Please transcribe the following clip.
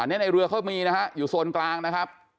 อันนี้ในเรือเขามีนะฮะอยู่โซนกลางนะครับ